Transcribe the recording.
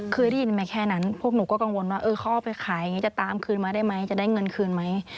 เคยได้ยินมาแค่นั้นพวกหนูก็กังวลว่าเขาเอาไปขายอย่างนี้จะตามคืนมาได้ไหมจะได้เงินคืนไหม